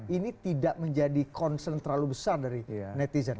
ini tidak menjadi concern terlalu besar dari netizen